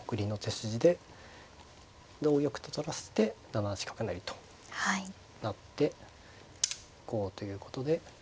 送りの手筋で同玉と取らせて７八角成と成って行こうということで。